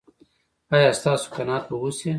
ایا ستاسو قناعت به وشي؟